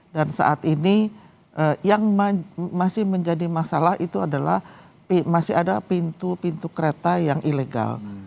dan saat ini yang masih menjadi masalah itu adalah masih ada pintu pintu kereta yang ilegal